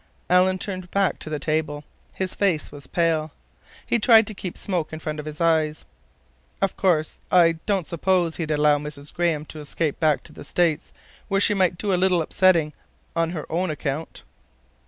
Alan turned back to the table. His face was pale. He tried to keep smoke in front of his eyes. "Of course, I don't suppose he'd allow Mrs. Graham to escape back to the States—where she might do a little upsetting on her own account?"